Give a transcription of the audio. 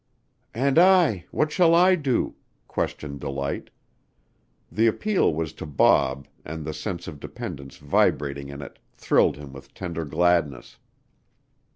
"And I what shall I do?" questioned Delight. The appeal was to Bob, and the sense of dependence vibrating in it thrilled him with tender gladness.